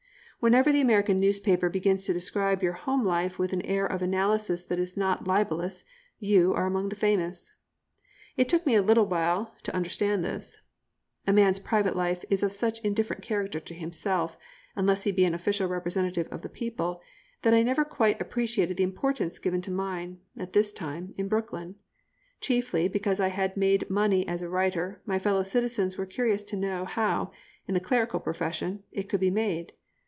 Whenever the American newspaper begins to describe your home life with an air of analysis that is not libellous you are among the famous. It took me a little while to understand this. A man's private life is of such indifferent character to himself, unless he be an official representative of the people, that I never quite appreciated the importance given to mine, at this time, in Brooklyn. Chiefly because I had made money as a writer, my fellow citizens were curious to know how, in the clerical profession, it could be made.